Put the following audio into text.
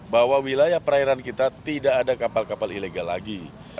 bahwa wilayah perairan kita tidak ada kapal kapal ilegal lagi